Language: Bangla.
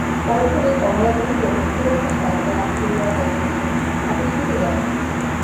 পরক্ষণেই কমলা কহিল, খুড়োমশায়, রাত হইয়া যাইতেছে, আপনি শুইতে যান।